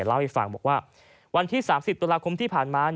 เล่าให้ฟังบอกว่าวันที่๓๐ตุลาคมที่ผ่านมา